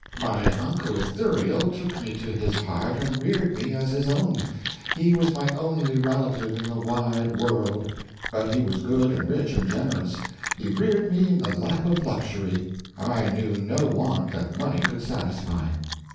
My uncle Ithuriel took me to his heart and reared me as his own. He was my only relative in the wide world; but he was good and rich and generous. He reared me in the lap of luxury. I knew no want that money could satisfy.